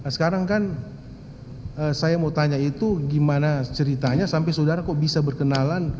sekarang kan saya mau tanya itu gimana ceritanya sampai saudara kok bisa berkenalan